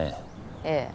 ええ。